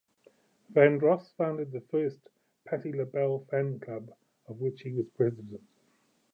Vandross founded the first Patti LaBelle fan club, of which he was president.